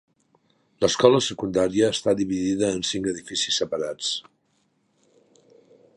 L'escola secundària està dividida en cinc edificis separats.